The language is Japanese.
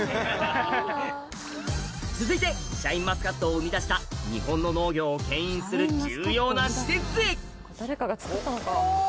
続いてシャインマスカットを生み出した日本の農業をけん引する重要な施設へお。